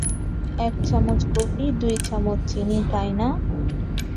এক চামচ কফি, দুই চামচ চিনি, তাই না?